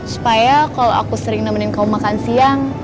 supaya kalau aku sering nemenin kamu makan siang